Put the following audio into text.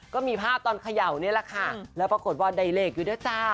ก็มีภาพตอนเขย่านี่แหละค่ะแล้วปรากฏว่าได้เลขอยู่ด้วยจ้า